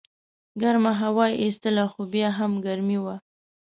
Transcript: ګرمه هوا یې ایستله خو بیا هم ګرمي وه.